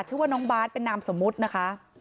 ชื่อว่าน้องบาทเป็นนามสมมุตินะคะ